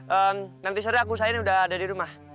ehm nanti seri aku usahain udah ada di rumah